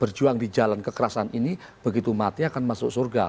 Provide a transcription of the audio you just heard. berjuang di jalan kekerasan ini begitu mati akan masuk surga